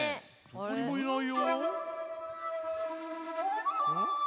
どこにもいないよ。